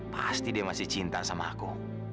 pasti dia masih cinta sama aku